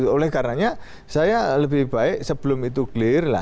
oleh karenanya saya lebih baik sebelum itu clear lah